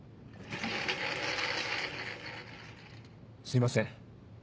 すいません。